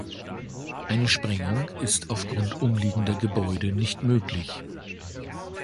Eine Sprengung ist aufgrund umliegender Gebäude nicht möglich.